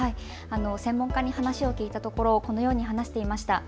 専門家に話を聞いたところこのように話していました。